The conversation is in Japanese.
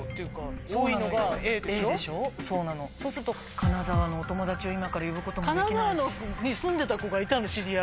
そうすると金沢のお友達を今から呼ぶこともできないし。